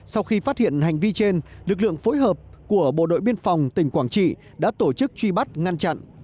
sau khi phát hiện hành vi trên lực lượng phối hợp của bộ đội biên phòng tỉnh quảng trị đã tổ chức truy bắt ngăn chặn